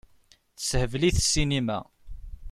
Tessehbel-it ssinima.